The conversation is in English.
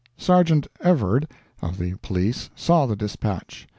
Sergeant Evrard, of the Police, saw the dispatch.